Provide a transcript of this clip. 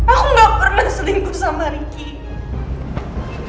aku gak pernah selingkuh sama ricky